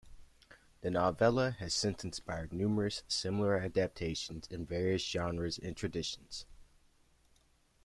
The novella has since inspired numerous similar adaptions in various genres and traditions.